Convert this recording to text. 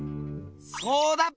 そうだっぺ！